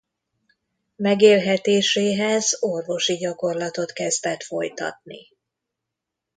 Megélhetéséhez orvosi gyakorlatot kezdett folytatni.